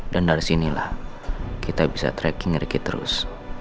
dan dari sinilah kita bisa tracking ricky terus